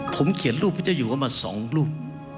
ผมเขียนรูปพระเจ้าอยู่ว่ามา๒รูป